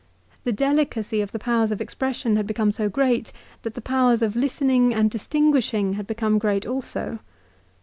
The delicacy of the powers of expression had become so great, that the powers of listen ing and distinguishing had become great also.